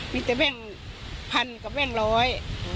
มีแต่แบ่งพันกับแบงร้อย